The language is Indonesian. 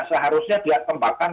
seharusnya dia tembakan